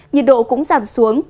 nhiệt độ cũng giảm xuống